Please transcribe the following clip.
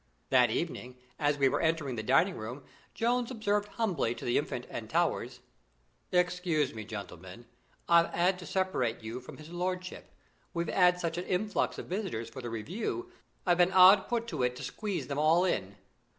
That evening, as we were entering the dining room, Jones observed humbly to the Infant and Towers: "Excuse me, gentlemen; I 'ave 'ad to separate you from his lordship. We've 'ad such a influx of visitors for the Review, I've been 'ard put to it to squeeze them all in."